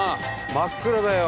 真っ暗だよ。